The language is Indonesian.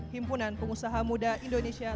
himpunan pengusaha muda indonesia